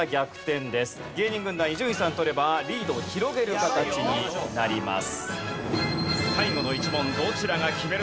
芸人軍団伊集院さん取ればリードを広げる形になります。